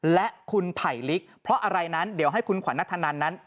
และคุณไผลลิกเพราะอะไรนั้นเดี๋ยวให้คุณขวัญนัทธนันนั้น